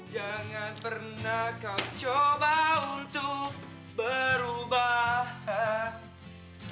jangan pernah kau coba untuk berubah